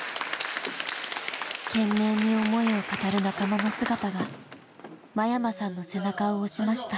懸命に思いを語る仲間の姿が間山さんの背中を押しました。